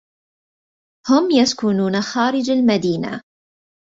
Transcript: هم يسكنون خارج المدينة.